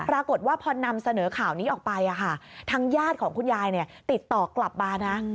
ปรากฏว่าพอนำเสนอข่าวนี้ออกไปทางญาติของคุณยายติดต่อกลับมานะ